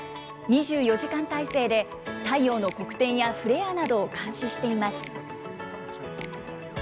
２４時間態勢で太陽の黒点やフレアなどを監視しています。